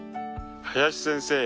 林先生